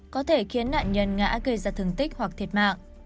có thể khiến nạn nhân ngã gây ra thương tích hoặc thiệt mạng